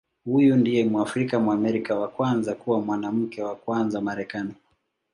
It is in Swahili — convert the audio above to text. Huyu ndiye Mwafrika-Mwamerika wa kwanza kuwa Mwanamke wa Kwanza wa Marekani.